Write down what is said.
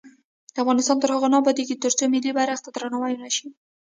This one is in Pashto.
افغانستان تر هغو نه ابادیږي، ترڅو ملي بیرغ ته درناوی ونشي.